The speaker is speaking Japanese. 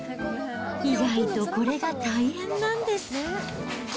意外とこれが大変なんです。